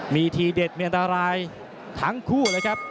มีทีเด็ดมีอันตรายทั้งคู่เลยครับ